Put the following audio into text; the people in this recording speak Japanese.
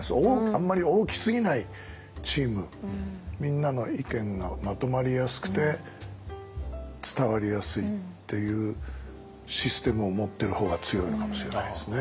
あんまり大きすぎないチームみんなの意見がまとまりやすくて伝わりやすいっていうシステムを持ってる方が強いのかもしれないですね。